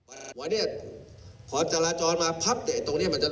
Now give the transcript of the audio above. ไอทางนี้กะรอปริบแล้วปริบอีก